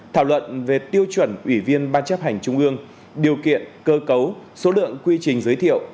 thảo luận về tiêu chuẩn ủy viên ban chấp hành trung ương điều kiện cơ cấu số lượng quy trình giới thiệu